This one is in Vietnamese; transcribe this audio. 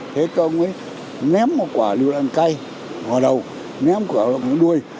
thế con mới ném một quả lưu đoàn cây vào đầu ném một quả lưu đoàn đuôi